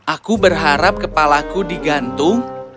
aku berharap kepalaku digantung